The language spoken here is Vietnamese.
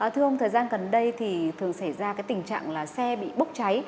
thưa ông thời gian gần đây thì thường xảy ra cái tình trạng là xe bị bốc cháy